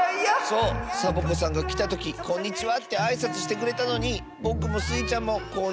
そうサボ子さんがきたとき「こんにちは」ってあいさつしてくれたのにぼくもスイちゃんも「こんにちは」いわなかったッス。